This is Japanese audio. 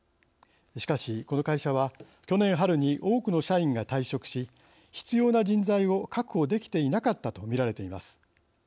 しかしこの会社は去年春に多くの社員が退職し必要な人材を確保できていなかったと見られています。